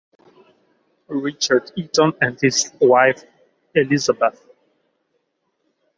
Richard Eaton and his wife, Elizabeth.